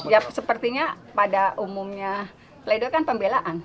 ya sepertinya pada umumnya pledor kan pembelaan